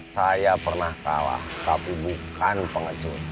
saya pernah kalah tapi bukan pengecua